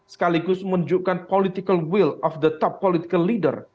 sekaligus menunjukkan will politik dari pemimpin politik tertinggi